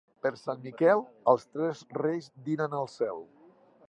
Per Sant Miquel els tres reis dinen al cel.